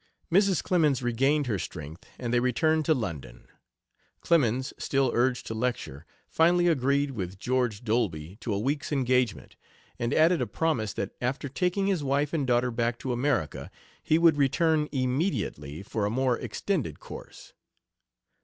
Mrs. Clemens regained her strength and they returned to London. Clemens, still urged to lecture, finally agreed with George Dolby to a week's engagement, and added a promise that after taking his wife and daughter back to America he would return immediately for a more extended course.